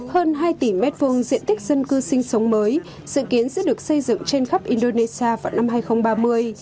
hơn hai tỷ mét vương diện tích dân cư sinh sống mới sự kiến sẽ được xây dựng trên khắp indonesia vào năm hai nghìn ba mươi